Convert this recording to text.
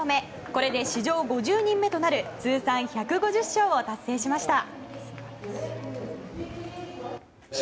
これで史上５０人目となる通算１５０勝を達成しました。